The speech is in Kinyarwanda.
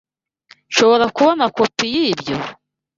Nshobora kubona kopi yibyo?